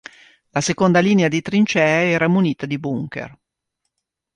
La seconda linea di trincee era munita di bunker.